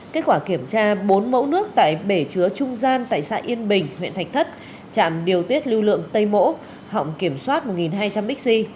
kết quả kiểm tra bốn mẫu nước tại bể chứa trung gian tại xã yên bình huyện thạch thất trạm điều tiết lưu lượng tây mỗ họng kiểm soát một hai trăm linh bixi